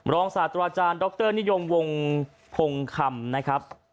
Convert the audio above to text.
รองศาสตร์ตัวอาจารย์ดรนิยมวงพงศ์คำนะครับ